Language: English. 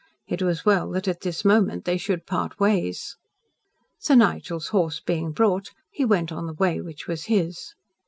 It was well that at this moment they should part ways. Sir Nigel's horse being brought, he went on the way which was his.